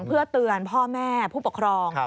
เพื่อเตือนพ่อแม่ผู้ปกครอง